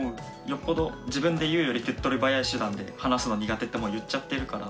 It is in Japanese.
よっぽど自分で言うより手っとり早い手段で話すの苦手ってもう言っちゃってるから。